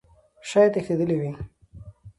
شايد تښتيدلى وي .